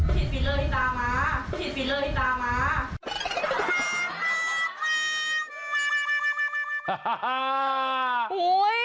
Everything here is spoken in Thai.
ฉีดฟีลเลอร์ที่ตามา